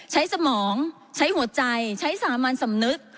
สมองใช้หัวใจใช้สามัญสำนึก